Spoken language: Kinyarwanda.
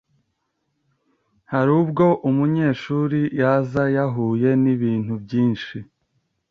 harubwo umunyeshuri yaza yahuye nibintu byinshi